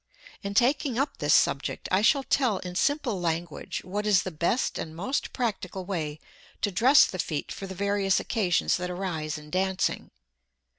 In taking up this subject I shall tell in simple language what is the best and most practical way to dress the feet for the various occasions that arise in dancing.